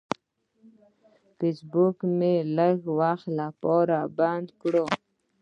فیسبوک مې لږ وخت لپاره بند کړ.